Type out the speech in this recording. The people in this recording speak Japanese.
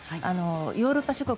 ヨーロッパ諸国